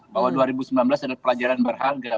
bahwa dua ribu sembilan belas adalah pelajaran berharga